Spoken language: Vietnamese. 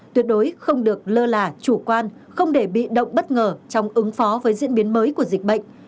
tuyệt đối không được lơ là chủ quan không để bị động bất ngờ trong ứng phó với diễn biến mới của dịch bệnh